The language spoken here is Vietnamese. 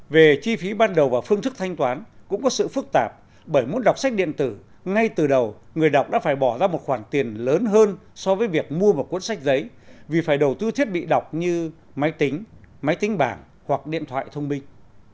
về chi phí ban đầu và phương thức thanh toán cũng có sự phức tạp bởi muốn đọc sách điện tử ngay từ đầu người đọc đã phải bỏ ra một khoản tiền lớn hơn so với việc mua một cuốn sách giấy vì phải đầu tư thiết bị đọc như máy tính máy tính bảng hoặc điện thoại thông minh